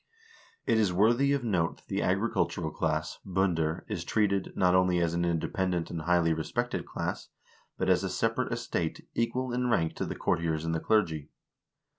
It is worthy of note that the agricultural class (binder) is treated, not only as an independent and highly respected class, but as a separate estate, equal in rank to the courtiers and the clergy.